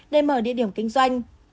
để mở địa điểm kinh doanh